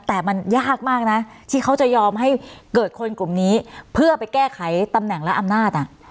แต่มันยากมากนะที่เขาจะยอมให้เกิดคนกลุ่มนี้เพื่อไปแก้ไขตำแหน่งและอำนาจ